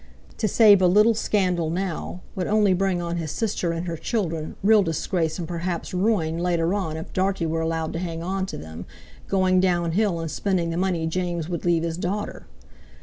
To save a little scandal now would only bring on his sister and her children real disgrace and perhaps ruin later on if Dartie were allowed to hang on to them, going down hill and spending the money James would leave his daughter.